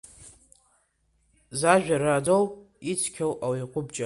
Зажәа раӡоу, ицқьоу ауаҩ ҟәыбҷа.